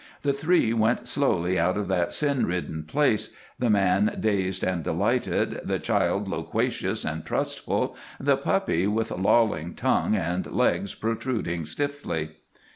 The three went slowly out of that sin ridden place, the man dazed and delighted, the child loquacious and trustful, the puppy with lolling tongue and legs protruding stiffly.